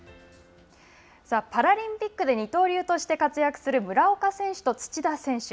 パラリンピックで二刀流として活躍する村岡選手と土田選手。